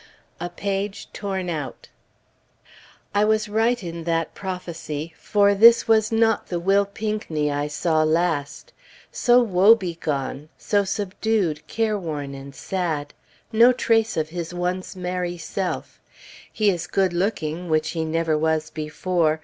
[A page torn out] I was right in that prophecy. For this was not the Will Pinckney I saw last. So woebegone! so subdued, careworn, and sad! No trace of his once merry self. He is good looking, which he never was before.